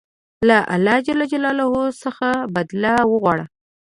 له الله ج څخه بدله وغواړه.